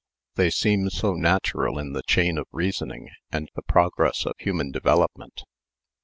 They seem so natural in the chain of reasoning and the progress of human development.